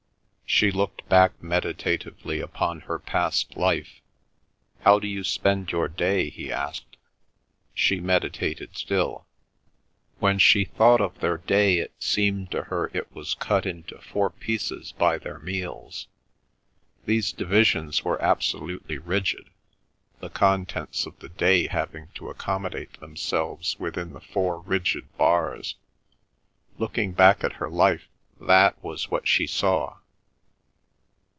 She looked back meditatively upon her past life. "How do you spend your day?" he asked. She meditated still. When she thought of their day it seemed to her it was cut into four pieces by their meals. These divisions were absolutely rigid, the contents of the day having to accommodate themselves within the four rigid bars. Looking back at her life, that was what she saw.